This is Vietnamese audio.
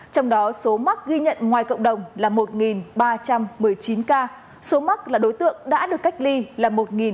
trong đó số mắc ghi nhận ngoài cộng đồng là một ba trăm một mươi bốn